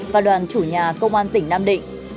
và đoàn chủ nhà công an tỉnh nam định